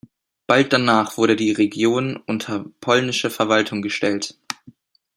Bald danach wurde die Region unter polnische Verwaltung gestellt.